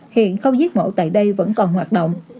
hiện không giết mổ tại đây vẫn còn hoạt động